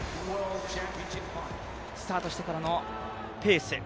スタートしてからのペース。